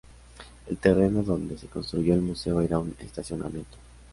El terreno donde se construyó el museo era un estacionamiento.